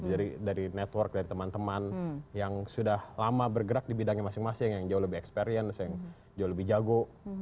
jadi dari network dari teman teman yang sudah lama bergerak di bidang masing masing yang jauh lebih experience yang jauh lebih jago